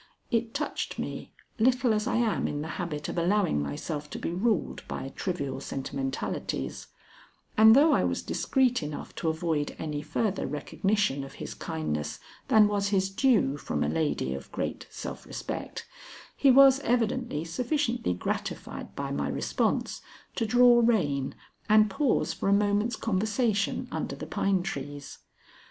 It touched me, little as I am in the habit of allowing myself to be ruled by trivial sentimentalities, and though I was discreet enough to avoid any further recognition of his kindness than was his due from a lady of great self respect, he was evidently sufficiently gratified by my response to draw rein and pause for a moment's conversation under the pine trees.